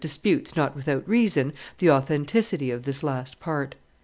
449 519], disputes, not without reason, the authenticity of this last part.